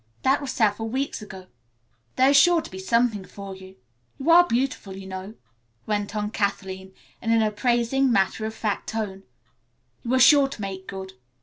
That was several weeks ago." "There is sure to be something for you. You are beautiful, you know," went on Kathleen in an appraising, matter of fact tone. "You are sure to make good.